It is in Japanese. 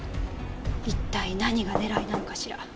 一体何が狙いなのかしら。